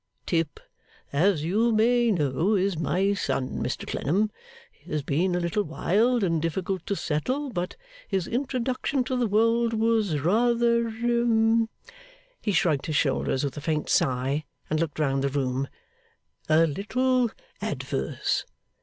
'Tip as you may know is my son, Mr Clennam. He has been a little wild, and difficult to settle, but his introduction to the world was rather' he shrugged his shoulders with a faint sigh, and looked round the room 'a little adverse.